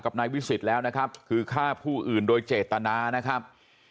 นายวิสิทธิ์แล้วนะครับคือฆ่าผู้อื่นโดยเจตนานะครับ